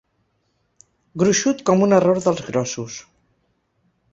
Gruixut com un error dels grossos.